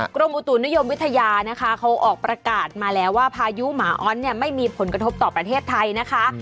กรมอุตุนิยมวิทยานะคะเขาออกประกาศมาแล้วว่าพายุหมาอ้อนเนี่ยไม่มีผลกระทบต่อประเทศไทยนะคะ